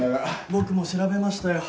僕も調べましたよ。